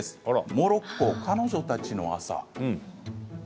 「モロッコ彼女たちの朝」。